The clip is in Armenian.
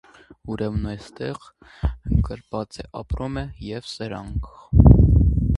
- Ուրեմն այստեղ գրբա՞ց է ապրում և սրանք…